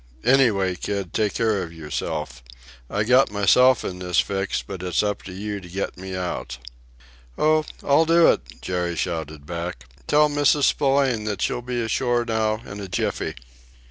Anyway, kid, take care of yourself! I got myself in this fix, but it's up to you to get me out!" "Oh, I'll do it!" Jerry shouted back. "Tell Mrs. Spillane that she'll be ashore now in a jiffy!"